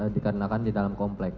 dikarenakan di dalam komplek